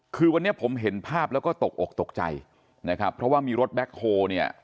คือวันนี้ผมเห็นภาพแล้วก็ตกอกตกใจนะครับเพราะว่ามีรถแบ็คโฮเนี่ย